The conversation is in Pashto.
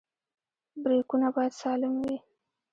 برېکونه باید سالم وي.